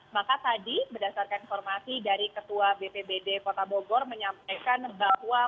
maka tadi berdasarkan informasi dari ketua bpbd kota bogor menyampaikan bahwa